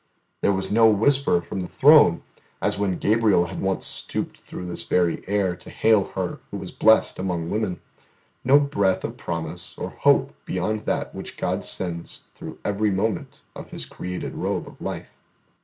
There was no whisper from the Throne as when Gabriel had once stooped through this very air to hail Her who was blessed among women, no breath of promise or hope beyond that which God sends through every movement of His created robe of life.